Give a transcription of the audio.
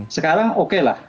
sekarang oke lah